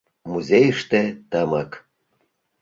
«Музейыште — тымык.